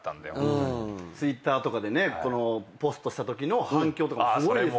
Ｔｗｉｔｔｅｒとかでポストしたときの反響とかすごいですもんね。